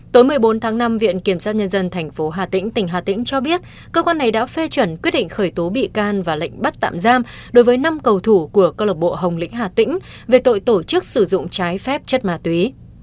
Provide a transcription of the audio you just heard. tối một mươi bốn tháng năm viện kiểm sát nhân dân tp hà tĩnh tỉnh hà tĩnh cho biết cơ quan này đã phê chuẩn quyết định khởi tố bị can và lệnh bắt tạm giam đối với năm cầu thủ của câu lộc bộ hồng lĩnh hà tĩnh về tội tổ chức sử dụng trái phép chất ma túy